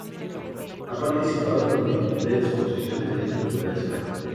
Ha participado en multitud de exposiciones dentro y fuera de España.